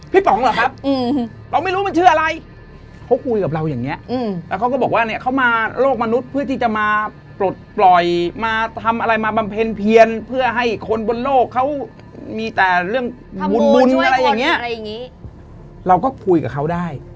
พี่ฝ้องหรอครับเราไม่รู้มันเชื่ออะไร